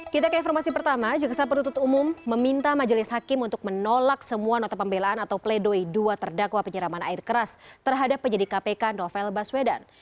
kita ke informasi pertama jaksa penduduk umum meminta majelis hakim untuk menolak semua nota pembelaan atau pledoi dua terdakwa penyiraman air keras terhadap penyidik kpk novel baswedan